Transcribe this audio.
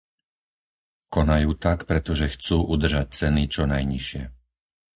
Konajú tak, pretože chcú udržať ceny čo najnižšie.